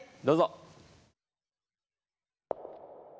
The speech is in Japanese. どうぞ。